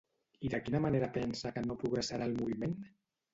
I de quina manera pensa que no progressarà el moviment?